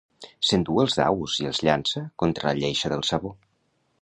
S'endú els daus i els llança contra la lleixa del sabó.